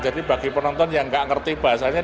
bagi penonton yang nggak ngerti bahasanya